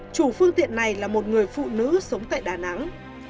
chủ phương tiện này là một người phụ nữ sống tại đà nẵng